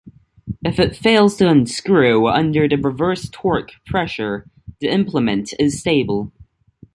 If it fails to unscrew under the reverse torque pressure, the implant is stable.